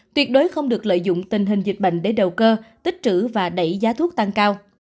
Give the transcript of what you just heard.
tuyệt đối không được lợi dụng tình hình dịch bệnh để đầu cơ tích trữ và đẩy giá thuốc tăng cao